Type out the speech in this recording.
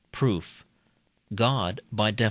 Proof. God (by Def.